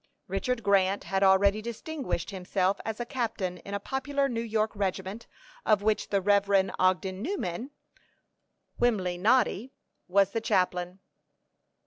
Richard Grant had already distinguished himself as a captain in a popular New York regiment, of which the Rev. Ogden Newman, whilom Noddy, was the chaplain.